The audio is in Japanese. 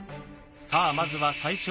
さあまずは最初の障害。